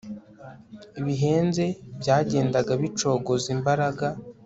bihenze byagendaga bicogoza imbaraga